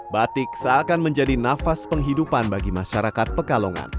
batik seakan menjadi nafas penghidupan bagi masyarakat pekalongan